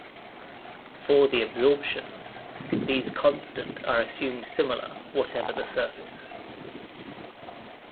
For the adsorptions, these constant are assumed similar whatever the surface.